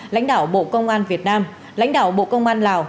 lãnh đạo bộ công an việt nam lãnh đạo bộ công an lào